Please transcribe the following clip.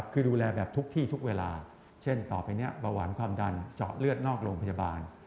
คือดูแลแบบทุกที่ทุกเวลาเช่นต่อไปนี้เบาหวานความดันเจาะเลือดนอกโรงพยาบาล